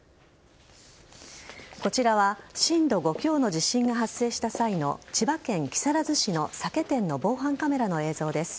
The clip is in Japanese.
こちらは震度５強の地震が発生した際の千葉県木更津市の酒店の防犯カメラの映像です。